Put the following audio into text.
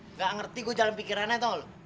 nggak ngerti gue jalan pikirannya tau lu